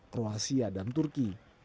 kroasia dan turki